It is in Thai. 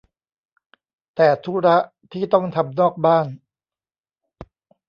แต่ธุระที่ต้องทำนอกบ้าน